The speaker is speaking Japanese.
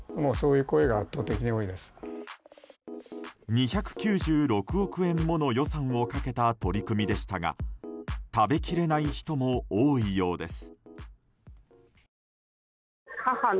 ２９６億円もの予算をかけた取り組みでしたが食べきれない人も多いようです。